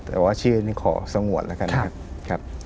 แต่ว่าชื่อนี้ขอสงวนแล้วกันนะครับ